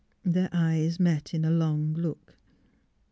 " Their eyes met in a long look.